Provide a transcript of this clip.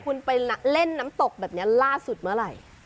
คุณไปเล่นน้ำตกแบบนี้ล่าสุดเมื่อไหร่